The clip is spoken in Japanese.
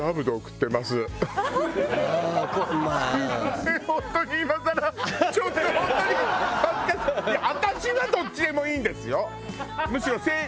いや私はどっちでもいいんですよ。